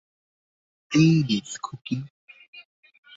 Please, Khuki.